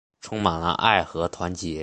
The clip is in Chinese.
充满了爱和团结